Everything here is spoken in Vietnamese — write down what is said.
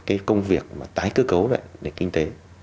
cái công việc mà tái cơ cấu lại nền kinh tế